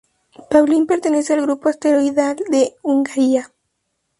Pauling pertenece al grupo asteroidal de Hungaria.